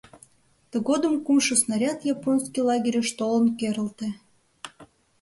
Тыгодым кумшо снаряд японский лагерьыш толын керылте.